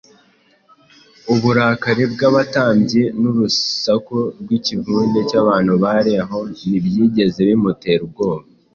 Uburakari bw’abatambyi n’urusaku rw’ikivunge cy’abantu bari aho ntibyigeze bimutera ubwoba.